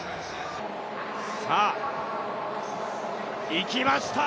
いきました！